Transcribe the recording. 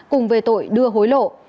cùng về tội đưa hối lộ